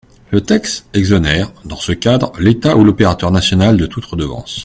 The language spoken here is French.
Le texte exonère, dans ce cadre, l’État ou l’opérateur national de toute redevance.